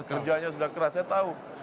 kerjanya sudah keras saya tahu